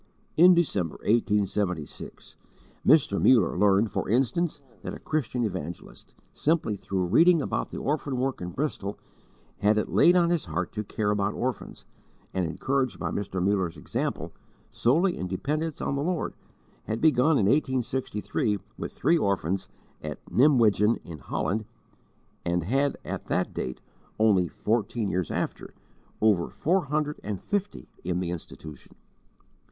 In December, 1876, Mr. Muller learned, for instance, that a Christian evangelist, simply through reading about the orphan work in Bristol, had it laid on his heart to care about orphans, and encouraged by Mr. Muller's example, solely in dependence on the Lord, had begun in 1863 with three orphans at Nimwegen in Holland, and had at that date, only fourteen years after, over four hundred and fifty in the institution.